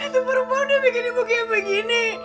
itu perempuan udah bikin ibu kayak begini